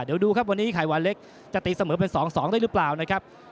เดี๋ยวดูครับวันนี้ไข่หวานเล็กจะตีเสมอเป็น๒๒ได้หรือเปล่านะครับ